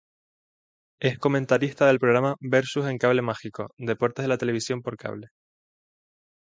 Es comentarista del programa Versus en Cable Mágico Deportes de la televisión por cable.